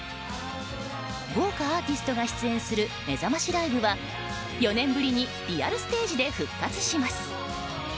豪華アーティストが出演するめざましライブは４年ぶりにリアルステージで復活します。